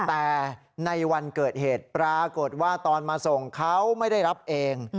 แต่ในวันเกิดเหตุปรากฏว่าตอนมาส่งเขาไม่ได้รับเอง